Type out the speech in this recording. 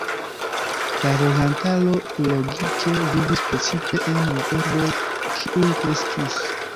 La loĝantaro logike vivis precipe en la urboj, kiuj kreskis.